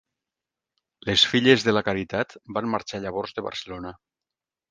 Les Filles de la Caritat van marxar llavors de Barcelona.